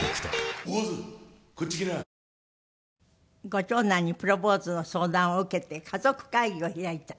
ご長男にプロポーズの相談を受けて家族会議を開いた？